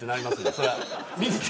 それは。